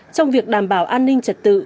trong việc đảm bảo an ninh trật tự